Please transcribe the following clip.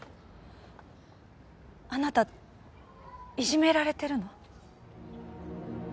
あなたいじめられてるの？